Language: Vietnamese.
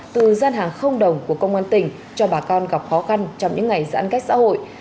từ gian hàng không đồng của công an tỉnh cho bà con gặp khó khăn trong những ngày giãn cách xã hội